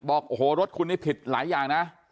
บอกโอ้โหรถคุณนี่ผิดหลายอย่างนะ